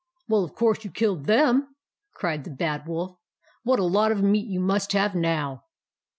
" Well, of course you killed them" cried the Bad Wolf. " What a lot of meat you must have now